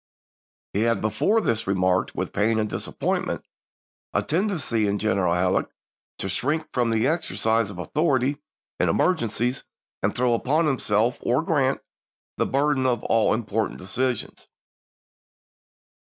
He had before this remarked, with pain and disappointment, a tendency in General Halleck to shrink from the exercise of authority in emer gencies, and to throw upon himself or Grant the burden of all important decisions.